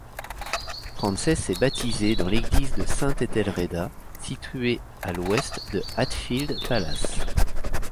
Frances est baptisée dans l'église de Sainte Ethelreda, située à l'ouest de Hatfield Palace.